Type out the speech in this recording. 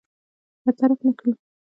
برطرف نه کړي.